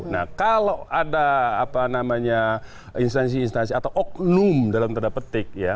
nah kalau ada apa namanya instansi instansi atau oknum dalam tanda petik ya